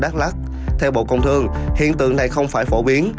theo bộ công thương hiện tượng này không phải phổ biến